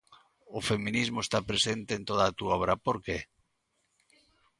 O feminismo está presente en toda a túa obra, por que?